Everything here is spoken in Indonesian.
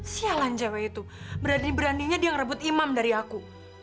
sialan jawa itu berani beraninya dia merebut imam dari aku